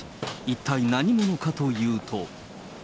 一体何者かというと。